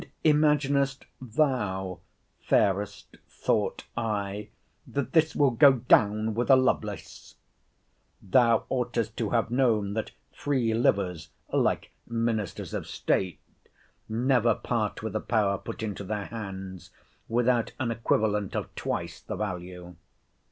And imaginest thou, fairest, thought I, that this will go down with a Lovelace? Thou oughtest to have known that free livers, like ministers of state, never part with a power put into their hands, without an equivalent of twice the value.